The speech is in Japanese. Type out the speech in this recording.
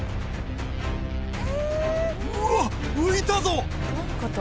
・うわ浮いたぞ！